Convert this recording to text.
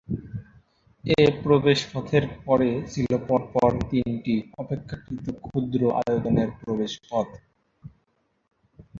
এ প্রবেশপথের পরে ছিল পরপর তিনটি অপেক্ষাকৃত ক্ষুদ্র আয়তনের প্রবেশপথ।